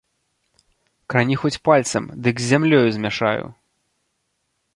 Крані хоць пальцам, дык з зямлёю змяшаю!!